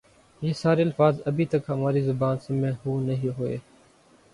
یہ سارے الفاظ ابھی تک ہماری زبان سے محو نہیں ہوئے ۔